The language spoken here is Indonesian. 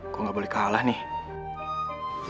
gue gak boleh kalah nih